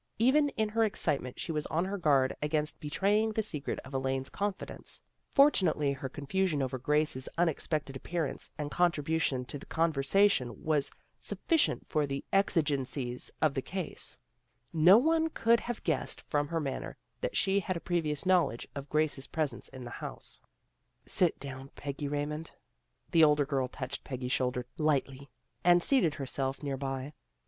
Even in her ex citement she was on her guard against be traying the secret of Elaine's confidence. For tunately her confusion over Grace's unexpected appearance and contribution to the conver sation was sufficient for the exigencies of the case. No one could have guessed from her manner that she had a previous knowledge of Grace's presence in the house. 294 THE GIRLS OF FRIENDLY TERRACE " Sit down, Peggy Raymond." The older girl touched Peggy's shoulder lightly, and seated herself near by.